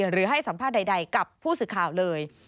หรือให้สัมภาษณ์ใดกับผู้สื่อข่าวเลย